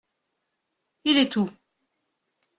Il est où ?